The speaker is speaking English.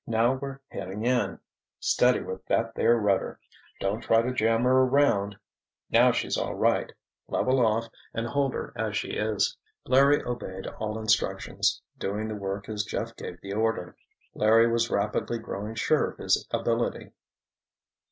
Now we're heading in—steady with that there rudder—don't try to jam her around—now she's all right. Level off and hold her as she is." Larry obeyed all instructions, doing the work as Jeff gave the order. Larry was rapidly growing sure of his ability.